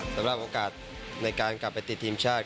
สำหรับโอกาสในการกลับไปติดทีมชาติ